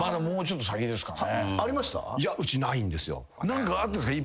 何かあったんすか？